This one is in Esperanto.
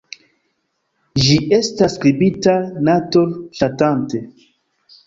Ĝi estas skribita natur-ŝatante.